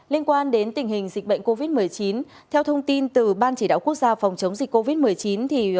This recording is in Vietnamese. liên quan đến tình hình dịch bệnh covid một mươi chín theo thông tin từ ban chỉ đạo quốc gia phòng chống dịch covid một mươi chín